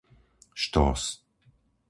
Štós